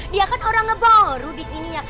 dia kan orangnya baru di sini ya